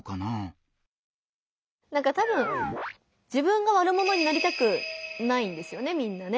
たぶん自分が悪者になりたくないんですよねみんなね。